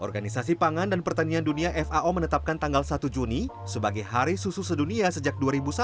organisasi pangan dan pertanian dunia fao menetapkan tanggal satu juni sebagai hari susu sedunia sejak dua ribu satu